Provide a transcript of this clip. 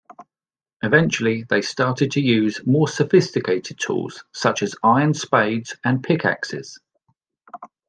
Eventually they started to use more sophisticated tools such as iron spades and pick-axes.